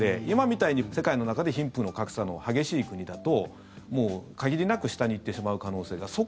今みたいに、世界の中で貧富の格差の激しい国だと限りなく下に行ってしまう可能性が。